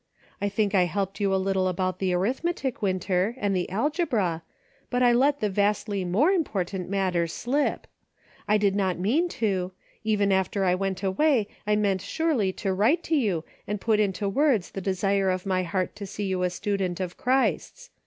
I think I helped you a little about the arithmetic. Winter, and the algebra, but I let the vastly more important matter " slip." I did not mean to ; even after I went away, I meant surely to write to you and put into words the desire of my heart to see you a student of Christ's.